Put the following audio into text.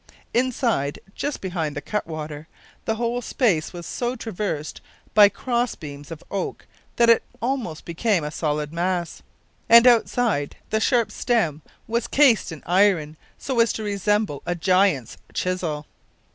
Inside, just behind the cutwater, the whole space was so traversed by cross beams of oak that it almost became a solid mass, and outside the sharp stem was cased in iron so as to resemble a giant's chisel.